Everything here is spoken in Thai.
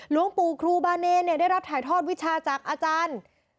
หลวงปู่ครูบาเนรได้รับถ่ายทอดวิชาจากอาจารย์